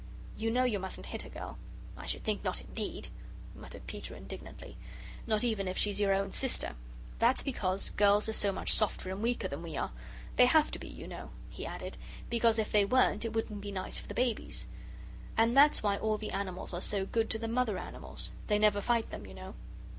You know you mustn't hit a girl " "I should think not, indeed," muttered Peter, indignantly. "Not even if she's your own sister. That's because girls are so much softer and weaker than we are; they have to be, you know," he added, "because if they weren't, it wouldn't be nice for the babies. And that's why all the animals are so good to the mother animals. They never fight them, you know."